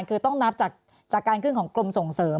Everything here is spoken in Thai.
คือต้องนับจากการขึ้นของกรมส่งเสริม